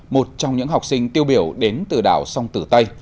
một trong những học sinh tiêu biểu đến từ đảo sông tử tây